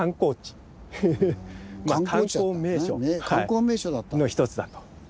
観光名所の一つだと。